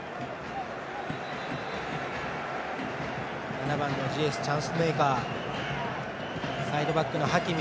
７番のジエシュはチャンスメーカー。